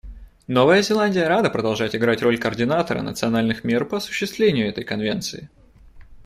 Новая Зеландия рада продолжать играть роль координатора национальных мер по осуществлению этой Конвенции.